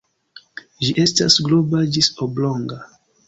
Ĝi estas globa ĝis oblonga.